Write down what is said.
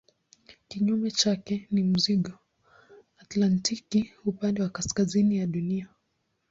Kinyume chake ni mzingo antaktiki upande wa kaskazini ya Dunia.